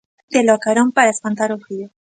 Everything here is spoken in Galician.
Telo a carón para espantar o frío.